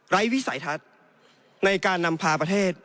วิสัยทัศน์ในการนำพาประเทศ